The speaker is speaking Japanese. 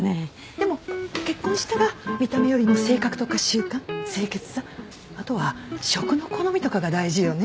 でも結婚したら見た目よりも性格とか習慣清潔さあとは食の好みとかが大事よね。